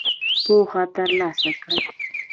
پوهه تر لاسه کړئ